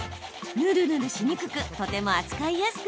ぬるぬるしにくくとても扱いやすくなります。